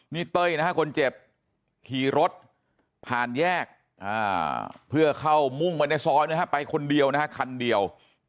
นี่เต้ยนะฮะคนเจ็บขี่รถผ่านแยกเพื่อเข้ามุ่งไปในซอยนะฮะไปคนเดียวนะฮะคันเดียว